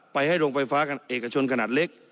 ไปให้โรงไฟฟ้ากับเอกชนขนาดเล็ก